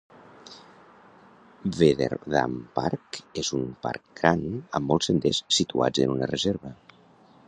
Beaverdam Park és un parc gran amb molts senders situat en una reserva.